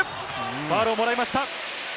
ファウルをもらいました。